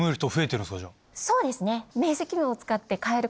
そうですね。